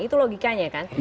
itu logikanya kan